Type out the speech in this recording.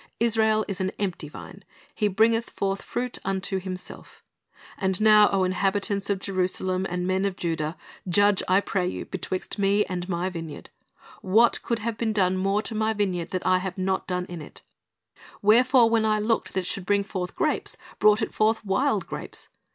'Tsrael is an empty vine, he bringeth forth fruit unto himself"^ "And now, O inhabitants of Jerusalem, and men of Judah, judge, I pray you, betwixt Me and My vineyard. What could have been done more to My vineyard, that I have not done in it? Wherefor when 'Deut.4:5 8 2jer. 2 : 21 ; Hoseaio:i TJi c Lor d 's Vi n cy ard 291 I looked that it should bring forth grapes, brought it forth wild grapes?